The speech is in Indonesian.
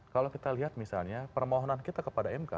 kalau kita lihat misalnya permohonan kita kepada mk